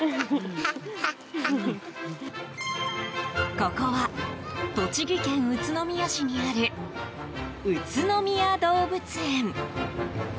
ここは栃木県宇都宮市にある宇都宮動物園。